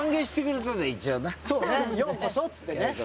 そうね「ようこそ」っつってね。